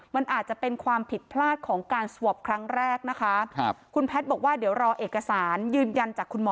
มันอาจจะเป็นความผิดพลาดของการสวอปครั้งแรกนะคะครับคุณแพทย์บอกว่าเดี๋ยวรอเอกสารยืนยันจากคุณหมอ